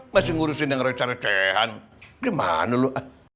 masih ngurusin yang recarikahan gimana lu